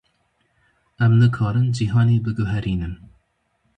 Em nikarin cîhanê biguherînin.